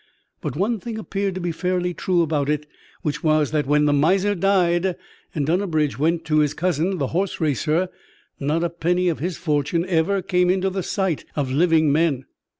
But one thing appeared to be fairly true about it; which was, that when the miser died, and Dunnabridge went to his cousin, the horseracer, not a penny of his fortune ever came into the sight of living men.